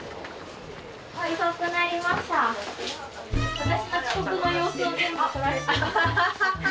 私の遅刻の様子を全部撮られて。